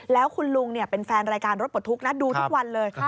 แล้วคุณลุงเป็นแฟนรายการรถปลดทุกข์นะดูทุกวันเลย